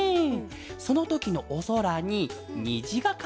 そのときのおそらににじがかかることがあるケロ！